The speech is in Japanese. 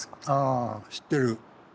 ああ、知ってる。